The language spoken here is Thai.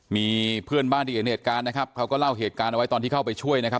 มีเพื่อนบ้านที่เห็นเหตุการณ์นะครับเขาก็เล่าเหตุการณ์เอาไว้ตอนที่เข้าไปช่วยนะครับ